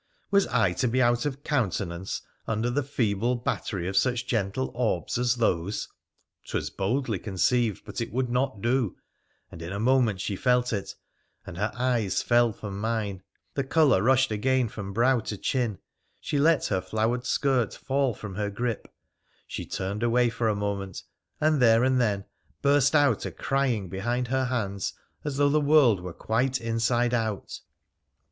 was I to be out of countenance under the feeble battery of such gentle orbs as those ? 'Twas boldly conceived, but it would not do, and in a moment she felt it, and her eyes fell from mine, the colour rushed again from brow to chin, she let her flowered skirt fall from her grip, she turned away for a moment, and there and then burst out a crying behind her hands as though the world were quite inside out.